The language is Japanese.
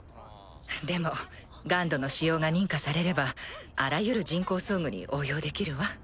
でもＧＵＮＤの使用が認可されればあらゆる人工装具に応用できるわ。